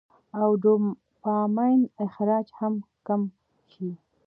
او ډوپامين اخراج هم کم شي -